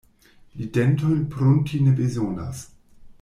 Li dentojn prunti ne bezonas.